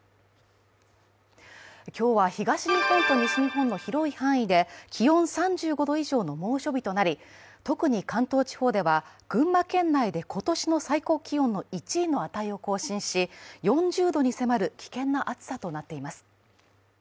今日は東日本と西日本の広い範囲で、気温３５度以上の猛暑日となり特に関東地方では群馬県内で今年の最高気温の１位の値を更新し４０度に迫る危険な暑さとなっています。